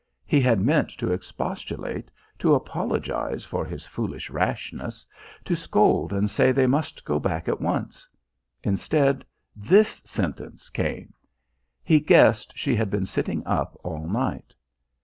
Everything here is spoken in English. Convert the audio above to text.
He had meant to expostulate, to apologise for his foolish rashness, to scold and say they must go back at once. Instead, this sentence came. He guessed she had been sitting up all night.